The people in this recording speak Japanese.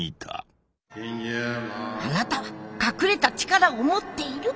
☎あなたは隠れた力を持っている！